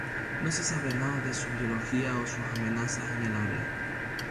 No se sabe nada de su biología o sus amenazas en el área.